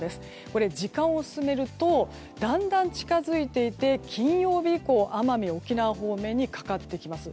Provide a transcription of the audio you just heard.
これ、時間を進めるとだんだん近づいていって金曜日以降奄美、沖縄方面にかかります。